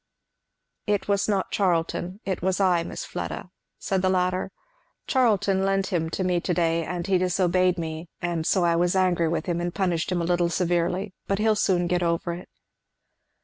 "It was not Charlton it was I, Miss Fleda," said the latter. "Charlton lent him to me to day, and he disobeyed me, and so I was angry with him and punished him a little severely; but he'll soon get over it."